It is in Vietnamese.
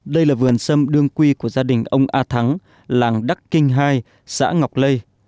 đây là vườn sâm đương quy của gia đình ông a thắng làng đắc kinh hai xã ngọc lê